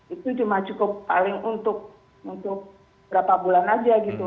itu cuma cukup paling untuk berapa bulan aja gitu